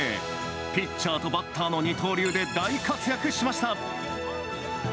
ピッチャーとバッターの二刀流で大活躍しました。